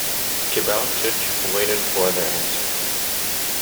Kibalchich awaited for their answer.